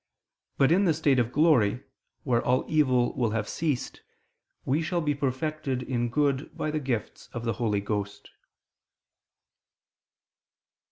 But in the state of glory, where all evil will have ceased, we shall be perfected in good by the gifts of the Holy Ghost.